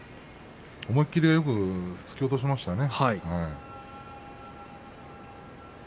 思い切りよく大関、突き落としましたね。